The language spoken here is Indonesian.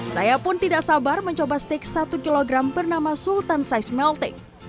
saya pun tidak sabar mencoba steak satu kg bernama sultan size melting